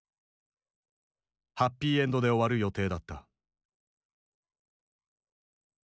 ハッピーエンドで終わる予定だった。